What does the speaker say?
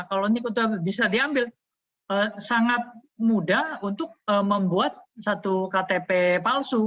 kalau nik itu bisa diambil sangat mudah untuk membuat satu ktp palsu